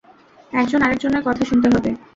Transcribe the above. একজন আরেকজনের কথা শুনতে হবে!